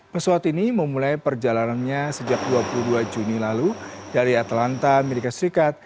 pesawat ini memulai perjalanannya sejak dua puluh dua juni lalu dari atlanta amerika serikat